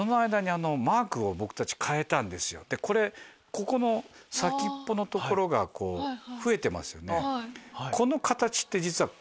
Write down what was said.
ここの先っぽの所が増えてますよね。